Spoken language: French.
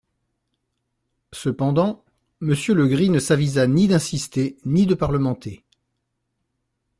Cependant, Monsieur Legris ne s'avisa ni d'insister ni de parlementer.